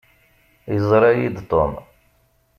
Yeẓṛa-yi-d Tom.